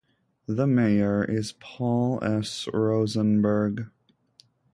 The mayor is Paul S. Rosenberg.